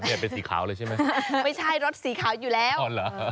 เนี่ยเป็นสีขาวเลยใช่ไหมไม่ใช่รถสีขาวอยู่แล้วอ๋อเหรอ